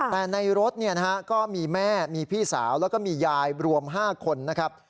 แต่ในรถก็มีแม่มีพี่สาวแล้วก็มียายรวม๕คนนะครับ